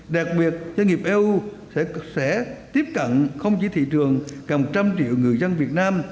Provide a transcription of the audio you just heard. đặc biệt doanh nghiệp eu sẽ tiếp cận không chỉ thị trường cầm trăm triệu người dân việt nam